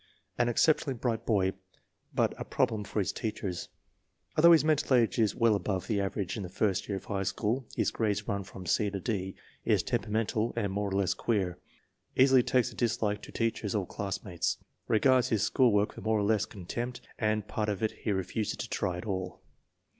An exceptionally bright boy but a problem for his teachers. Although his mental age is well above the average in the first year of high school, his grades run from C to D. Is temperamental and more or less queer. Easily takes a dislike to teachers or classmates. Regards his school work with more or less contempt and part of it he refuses to try at all.